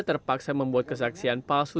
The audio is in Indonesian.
terpaksa membuat kesaksian palsu